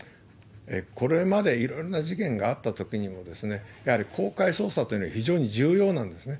これまでいろいろな事件があったときもですね、やはり公開捜査というのは、非常に重要なんですね。